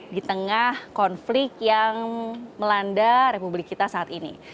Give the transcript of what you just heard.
di tengah konflik yang melanda republik kita saat ini